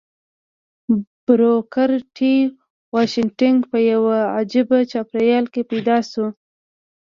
بروکر ټي واشنګټن په يوه عجيبه چاپېريال کې پيدا شو.